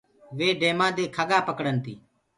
وي ڊيمآ دي کڳآ پَڪڙن تي۔